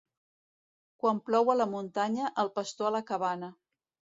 Quan plou a la muntanya, el pastor a la cabana.